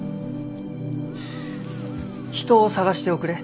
人を探しておくれ。